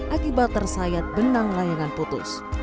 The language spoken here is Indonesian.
akibat tersayat benang layangan putus